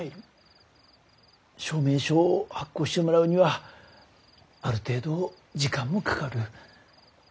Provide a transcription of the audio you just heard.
証明書を発行してもらうにはある程度時間もかかる。